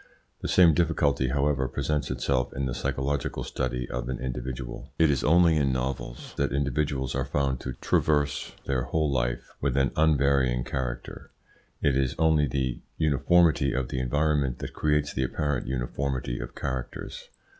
The same difficulty, however, presents itself in the psychological study of an individual. It is only in novels that individuals are found to traverse their whole life with an unvarying character. It is only the uniformity of the environment that creates the apparent uniformity of characters.